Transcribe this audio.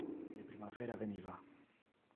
Le primavera veniva.